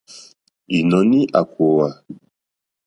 Ìnɔ̀ní à kòòwà.